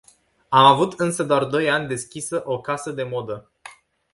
Am avut însă doar doi ani deschisă o casă de modă.